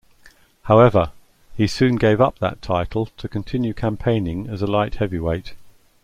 However, he soon gave up that title to continue campaigning as a light-heavyweight.